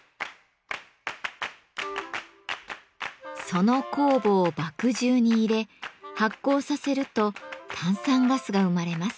その酵母を麦汁に入れ発酵させると炭酸ガスが生まれます。